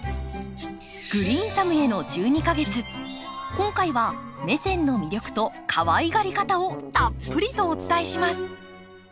今回はメセンの魅力とかわいがり方をたっぷりとお伝えします。